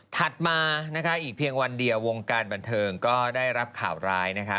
ถัดมานะคะอีกเพียงวันเดียววงการบันเทิงก็ได้รับข่าวร้ายนะคะ